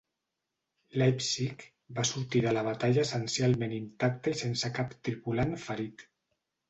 "Leipzig" va sortir de la batalla essencialment intacte i sense cap tripulant ferit.